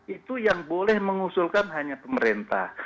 itu yang boleh mengusulkan hanya pemerintah